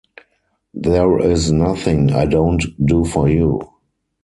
There is nothing I don’t do for you.